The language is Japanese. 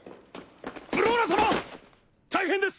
フローラ様大変です！